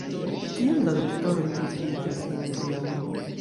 Kiom da doktoroj troviĝas en via urbo?